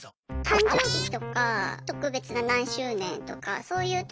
誕生日とか特別な何周年とかそういうときに５万円。